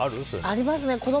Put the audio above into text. ありますね。